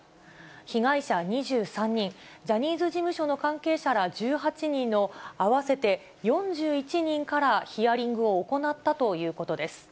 被害者２３人、ジャニーズ事務所の関係者ら１８人の合わせて４１人からヒアリングを行ったということです。